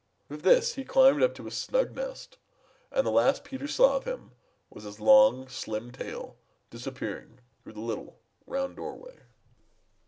With this he climbed up to his snug nest, and the last Peter saw of him was his long slim tail disappearing through the little round doorway.